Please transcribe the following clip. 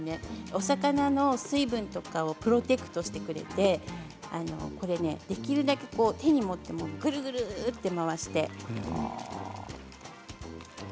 お魚の水分とかをプロテクトしてくれてできるだけ手に持ってくるくると回して。